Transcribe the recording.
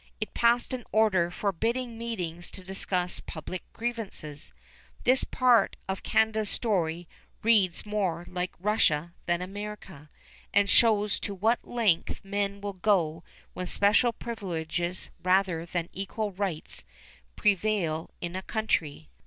It passed an order forbidding meetings to discuss public grievances. This part of Canada's story reads more like Russia than America, and shows to what length men will go when special privileges rather than equal rights prevail in a country.